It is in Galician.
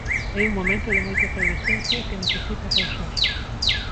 É un momento de moita efervescencia que necesita apousar.